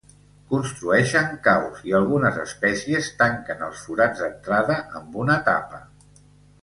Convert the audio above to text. Construeixen caus, i algunes espècies tanquen els forats d'entrada amb una tapa.